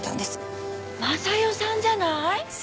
雅代さんじゃない？